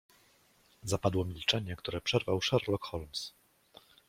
"Zapadło milczenie, które przerwał Sherlock Holmes."